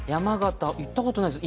行ったことはないです。